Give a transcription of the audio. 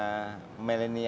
setelah itu melakukan komunikasi